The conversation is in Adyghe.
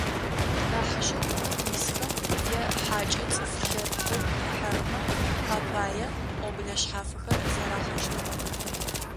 Нахьыжъэу унэм исхэм, е хьакӏэ, цӏыф лъэрыхьэу къихьэрэмэ апае пӏоблэ шъхьафхэр зэрахьэщтыгъэх.